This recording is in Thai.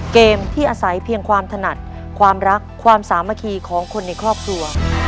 เกมที่อาศัยเพียงความถนัดความรักความสามัคคีของคนในครอบครัว